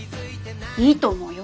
いいと思うよ。